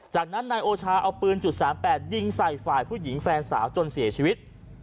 จากนั้นนายโอชาเอาปืน๓๘ยิงใส่ฝ่ายผู้หญิงแฟนสาวจนเสียชีวิต